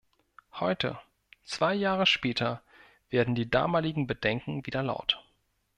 Heute, zwei Jahre später, werden die damaligen Bedenken wieder laut.